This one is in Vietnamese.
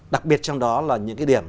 đặc biệt trong đó là những cái điểm